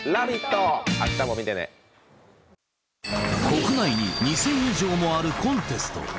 国内に２０００以上もあるコンテスト